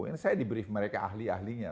ini saya di brief mereka ahli ahlinya